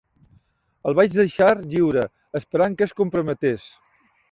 El vaig deixar lliure esperant que es comprometés.